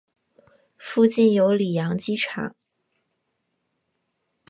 附近有里扬机场。